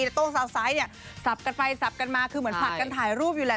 โต้งสาวไซส์เนี่ยสับกันไปสับกันมาคือเหมือนผลัดกันถ่ายรูปอยู่แหละ